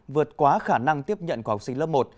vượt quá khả năng tiếp nhận của học sinh lớp một